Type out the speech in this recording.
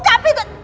muka sylvia jangan